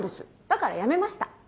だからやめました。